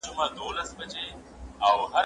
پوښتنه د زده کوونکي له خوا کيږي؟!